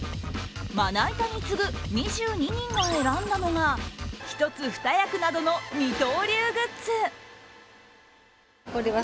まな板に次ぐ２２人が選んだのが１つ２役などの二刀流グッズ。